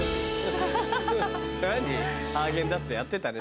ハーゲンダッツやってたね。